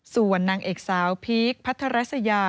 ส่วนนางเอกสาวพีคพัทรัสยา